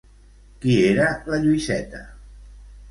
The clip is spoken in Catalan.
Qui era la Lluïseta?